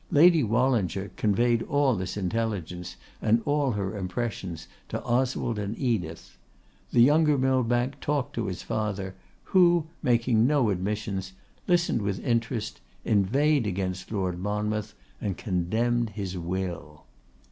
Lady Wallinger conveyed all this intelligence, and all her impressions, to Oswald and Edith. The younger Millbank talked with his father, who, making no admissions, listened with interest, inveighed against Lord Monmouth, and condemned his will.